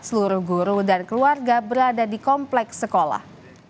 seluruh guru dan keluarga berada di kompleks sekolah